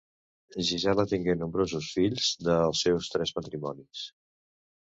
Gisela tingué nombrosos fills dels seus tres matrimonis.